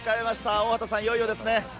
大畑さん、いよいよですね。